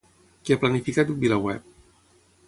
Què ha planificat VilaWeb?